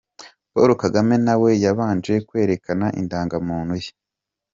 Paul Kagame na we yabanje kwerekana Indangamuntu ye.